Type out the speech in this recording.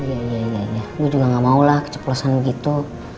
iya gue juga gak mau lah keceplosan begitu